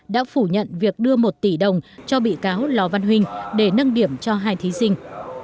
đã phủ nhận việc đưa một tỷ đồng cho bị cáo lò văn huynh để nâng điểm cho hai thí sinh